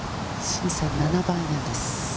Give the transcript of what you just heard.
７番アイアンです。